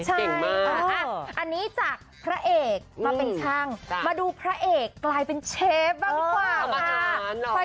ใช่อันนี้จากพระเอกมาเป็นช่างมาดูพระเอกกลายเป็นเชฟบ้างดีกว่าค่ะ